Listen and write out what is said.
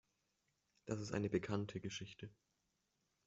Das ist eine bekannte Geschichte.